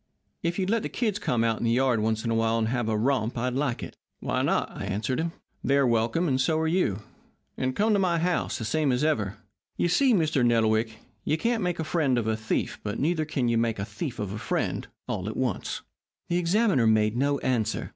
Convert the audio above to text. If you'd let the kids come out in the yard once in a while and have a romp I'd like it.' "'Why not?' I answered him. 'They're welcome, and so are you. And come to my house, the same as ever.' You see, Mr. Nettlewick, you can't make a friend of a thief, but neither can you make a thief of a friend, all at once." The examiner made no answer.